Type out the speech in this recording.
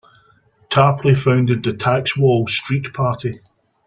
Tarpley founded the Tax Wall Street Party.